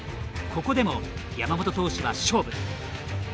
ここでも山本投手は勝負。